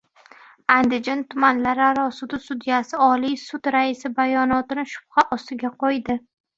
Andijon tumanlararo sudi sudyasi Oliy sud raisi bayonotini shubha ostiga qo‘ydi